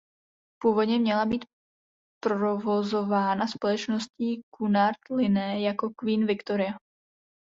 Původně měla být provozována společností Cunard Line jako Queen Victoria.